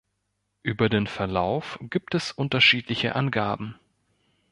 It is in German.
Über den Verlauf gibt es unterschiedliche Angaben.